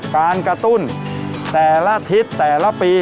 การกระตุ้นแต่ละทิศแต่ละปี